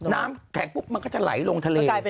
น้ำแข็งปุ๊บมันก็จะไหลลงทะเล